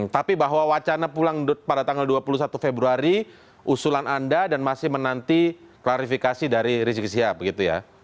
tapi bahwa wacana pulang pada tanggal dua puluh satu februari usulan anda dan masih menanti klarifikasi dari rizik sihab gitu ya